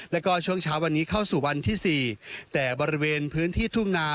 แล้วก็ช่วงเช้าวันนี้เข้าสู่วันที่๔แต่บริเวณพื้นที่ทุ่งนา